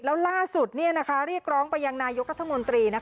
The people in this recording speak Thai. แล้วล่าสุดเรียกร้องไปยังนายกรัฐมนตรี